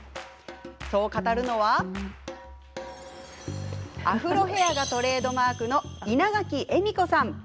そう語るのはアフロヘアがトレードマークの稲垣えみ子さん。